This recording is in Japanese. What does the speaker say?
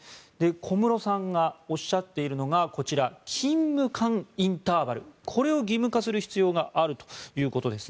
小室さんがおっしゃっているのがこちら勤務間インターバルこれを義務化する必要があるということです。